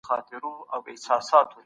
ډیپلوماټیک اړیکي باید دوه اړخیز وي.